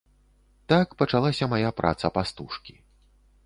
Так пачалася мая праца пастушкі.